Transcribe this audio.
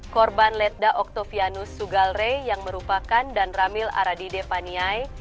korban ledda oktavianus sugalre yang merupakan danramil aradide paniai